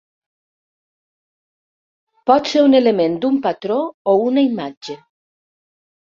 Pot ser un element d'un patró o una imatge.